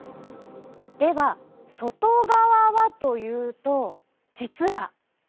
では外側はというと実は。